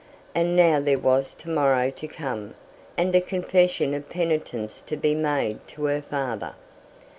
And now there was to morrow to come, and a confession of penitence to be made to her father.